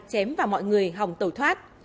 chém vào mọi người hòng tẩu thoát